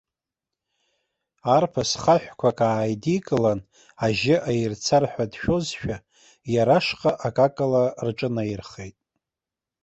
Арԥыс хаҳәқәак ааидикылан, ажьы аирцар ҳәа дшәозшәа, иара ашҟа акакала рҿынаирхеит.